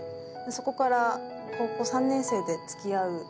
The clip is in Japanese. そこから高校３年生で付き合う。